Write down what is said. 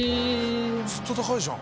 ずっと高いじゃん。